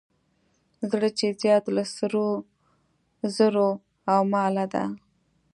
زړه چې زیات له سرو زرو او ماله دی.